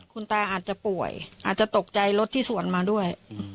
คุณตาอาจจะป่วยอาจจะตกใจรถที่สวนมาด้วย